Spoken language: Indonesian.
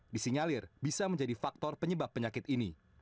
disinyalir bisa menjadi faktor penyebab penyakit ini